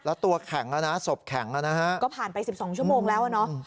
แล้วตัวแข็งแล้วนะศพแข็งอ่ะนะฮะก็ผ่านไป๑๒ชั่วโมงแล้วอ่ะเนอะ